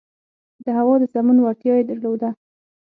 د هوا د سمون وړتیا یې درلوده.